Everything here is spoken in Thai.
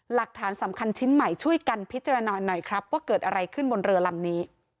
หลักฐานสำคัญชิ้นใหม่ช่วยกันพิจารณาหน่อยครับว่าเกิดอะไรขึ้นบนเรือลำนี้